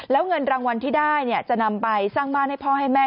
แล้วเงินรางวัลที่ได้จะนำไปสร้างบ้านให้พ่อให้แม่